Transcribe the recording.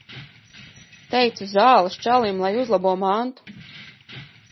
Teicu zāles čalim, lai uzlabo mantu.